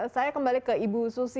saya kembali ke ibu susi